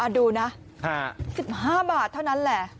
ดูนะ๑๕บาทเท่านั้นแหละ